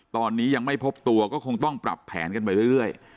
ตอนนี้ยังไม่พบตัวก็คงต้องปรับแผนกันไปเรื่อย